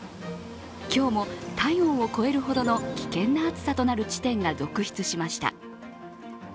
今日も体温を超えるほどの危険な暑さとなる地点が続出しました。